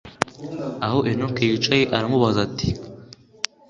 aho enock yicaye aramubaza ati